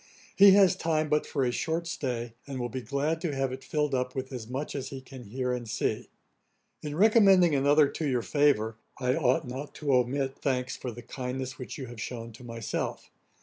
He has time but for a short stay, and will be glad to have it filled up with as much as he can hear and see. 'In recommending another to your favour, I ought not to omit thanks for the kindness which you have shewn to myself.